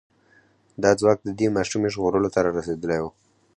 دا ځواک د دې ماشومې ژغورلو ته را رسېدلی و.